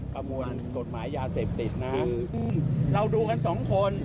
ประมวลกฎหมายยาเสพติดนะเราดูกันสองคน